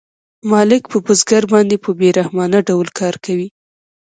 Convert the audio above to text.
مالک په بزګر باندې په بې رحمانه ډول کار کوي